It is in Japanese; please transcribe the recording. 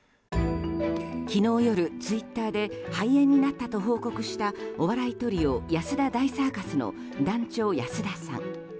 昨日夜、ツイッターで肺炎になったと報告したお笑いトリオ、安田大サーカスの団長安田さん。